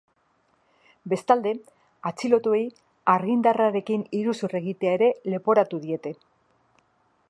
Bestalde, atxilotuei argindarrarekin iruzur egitea ere leporatu diete.